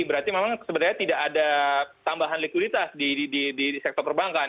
berarti memang sebenarnya tidak ada tambahan likuiditas di sektor perbankan